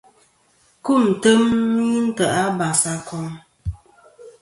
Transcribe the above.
Kumtem ghɨ ntè' a basakom.